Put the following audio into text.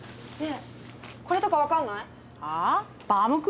ねえこれとか分かんない？ああ？